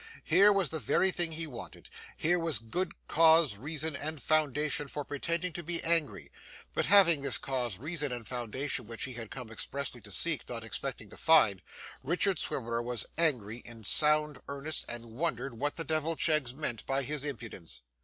Here was the very thing he wanted, here was good cause reason and foundation for pretending to be angry; but having this cause reason and foundation which he had come expressly to seek, not expecting to find, Richard Swiveller was angry in sound earnest, and wondered what the devil Cheggs meant by his impudence.